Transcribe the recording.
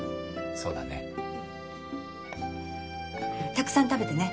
たくさん食べてね。